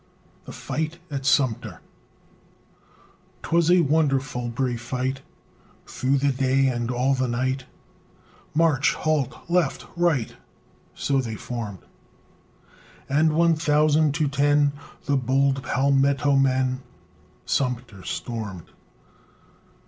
THE FIGHT AT SUMTER 'Twas a wonderful brave fight! Through the day and all night, March! Halt! Left! Right! So they formed: And one thousand to ten, The bold Palmetto men Sumter stormed.